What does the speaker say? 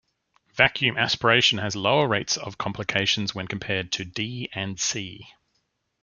Vacuum aspiration has lower rates of complications when compared to D and C.